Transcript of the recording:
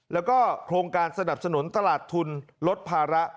แล้วก็โครงการสนับสนุนตลาดทุนลดภาระ